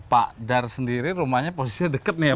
pak dar sendiri rumahnya posisinya deket nih ya